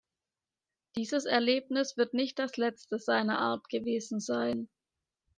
Dieses Erlebnis wird nicht das letzte seiner Art gewesen sein.